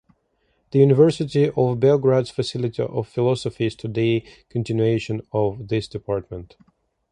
The University of Belgrade's Faculty of Philosophy is today's continuation of this department.